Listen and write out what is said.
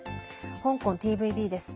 香港ＴＶＢです。